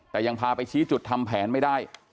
แต่ยังพาไปชี้จุดทำแผนไม่ได้